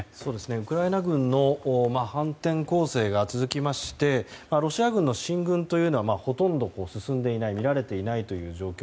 ウクライナ軍の反転攻勢が続きましてロシア軍の進軍というのはほとんど進んでいないみられていないという状況